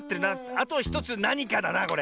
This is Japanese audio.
あと１つなにかだなこれ。